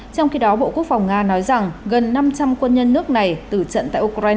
trong khi đó bộ quốc phòng nga nói rằng gần năm trăm linh quân nhân nước này từ trận tại ukraine